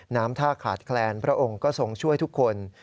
น้ำท่าขาดแคลนพระองค์ก็ทรงช่วยทุกคน